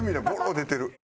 出てる。